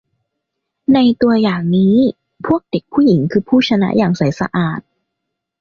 ในตัวอย่างนี้ พวกเด็กผู้หญิงคือผู้ชนะอย่างใสสะอาด